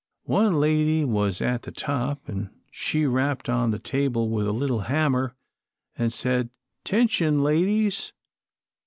One lady was at the top, an' she rapped on the table with a little hammer, an' said, ''Tention, ladies!'